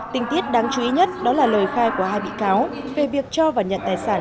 tình tiết đáng chú ý nhất đó là lời khai của hai bị cáo về việc cho và nhận tài sản